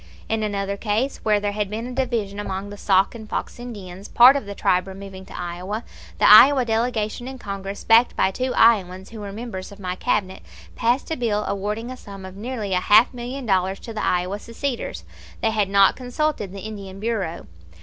In another case, where there had been a division among the Sac and Fox Indians, part of the tribe removing to Iowa, the Iowa delegation in Congress, backed by two Iowans who were members of my Cabinet, passed a bill awarding a sum of nearly a half million dollars to the Iowa seceders. They had not consulted the Indian Bureau.